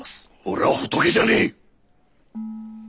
俺は仏じゃねえ！